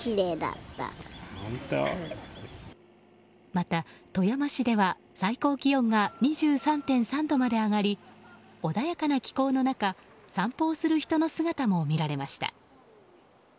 また、富山市では最高気温が２３．３度まで上がり穏やかな気候の中散歩をする人の姿も見られました。